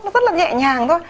nó rất là nhẹ nhàng thôi